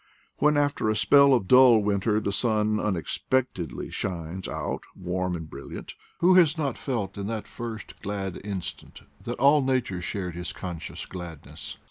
When, after a spell of dull weather, the sun unexpectedly shines out warm and brilliant, who has not felt in that first glad instant that all nature shared his conscious gladness?